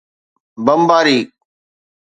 بمباري